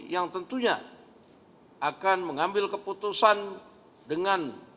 yang tentunya akan mengambil keputusan dengan